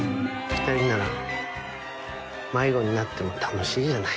２人なら迷子になっても楽しいじゃない。